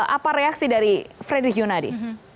apa reaksi dari fredrich yunadi